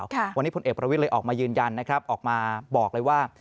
วันนี้พลเอกประวิทย์เลยออกมายืนยันนะครับออกมาบอกเลยว่า